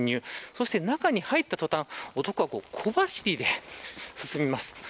そして中に入った途端男は小走りで進みます。